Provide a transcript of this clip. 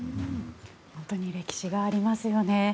本当に歴史がありますよね。